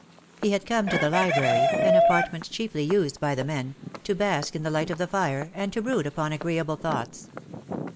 He had come to the library — an apartment chiefly used by the men — to bask in the li^ht of the fire, and to brood upon agreeable thoughts.